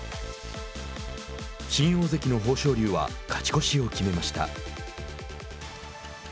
新大関の豊昇龍は勝ち越しを決めました。